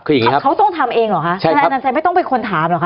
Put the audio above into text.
ใช่ครับ